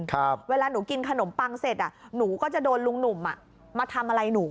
เวลาหนูกินขนมปังเสร็จอ่ะหนูก็จะโดนลุงหนุ่มอ่ะมาทำอะไรหนู